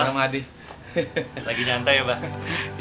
lagi nyantai ya pak